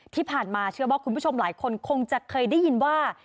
ที่ผ่านมาเชื่อว่าคุณผู้ชมหลายคนคงจะเคยได้ยินว่า